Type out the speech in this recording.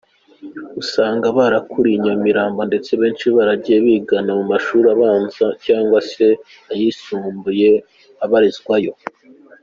usanga barakuriye Nyamirambo ndetse benshi baragiye bigana mu mashuri abanza cyangwa se ayisumbuye abarizwayo.